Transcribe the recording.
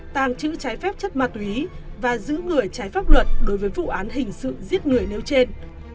tàng trữ trái phép chất ma túy và giữ người trái pháp luật đối với vụ án hình sự giết người nêu trên